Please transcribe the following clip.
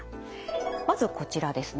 まずこちらですね。